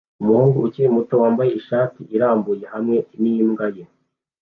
Umuhungu ukiri muto wambaye ishati irambuye hamwe n'imbwa ye